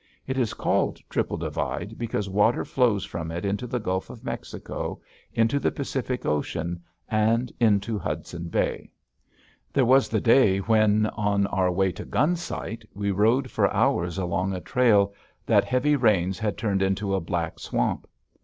It is called Triple Divide because water flows from it into the Gulf of Mexico, into the Pacific Ocean, and into Hudson Bay. [Illustration: PARTY CROSSING TRIPLE DIVIDE] There was the day when, on our way to Gunsight, we rode for hours along a trail that heavy rains had turned into black swamp.